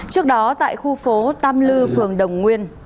trước đó tại khu phố tam lư phường đồng nguyên